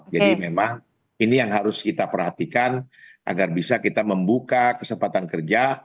jadi memang ini yang harus kita perhatikan agar bisa kita membuka kesempatan kerja